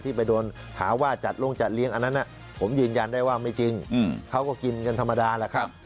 ไปโดนหาว่าจัดลงจัดเลี้ยงอันนั้นผมยืนยันได้ว่าไม่จริงเขาก็กินกันธรรมดาแหละครับ